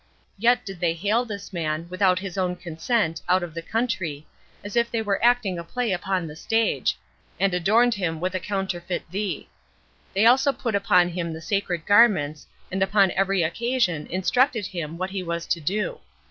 yet did they hail this man, without his own consent, out of the country, as if they were acting a play upon the stage, and adorned him with a counterfeit tree; they also put upon him the sacred garments, and upon every occasion instructed him what he was to do.